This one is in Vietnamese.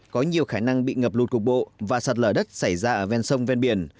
có nhiều khả năng bị ngập lụt cục bộ và sạt lở đất xảy ra ở ven sông ven biển